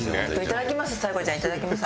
いただきます。